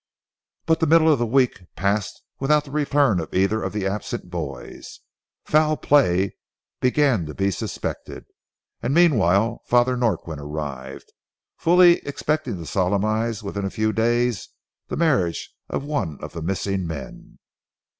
But the middle of the week passed without the return of either of the absent boys. Foul play began to be suspected, and meanwhile Father Norquin arrived, fully expecting to solemnize within a few days the marriage of one of the missing men.